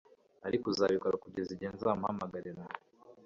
Ariko uzabikora kugeza igihe nzamuhamagarira